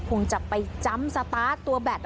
พ่อคงเอาก้อนอิดไปถ่วงไว้ตรงคันเร่งจั๊มแบบนี้